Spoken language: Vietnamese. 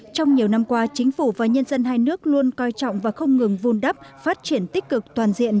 trong nhiều năm qua chính phủ và nhân dân hai nước luôn coi trọng và không ngừng vun đắp phát triển tích cực toàn diện